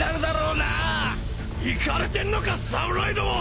いかれてんのか侍ども！